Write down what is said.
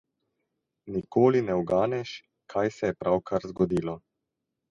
Nikoli ne uganeš, kaj se je pravkar zgodilo.